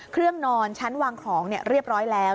นอนชั้นวางของเรียบร้อยแล้ว